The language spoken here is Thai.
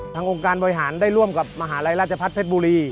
องค์การบริหารได้ร่วมกับมหาลัยราชพัฒนเพชรบุรี